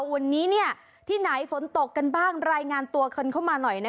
วันนี้ที่ไหนฝนตกกันบ้างรายงานตัวคนเข้ามาหน่อย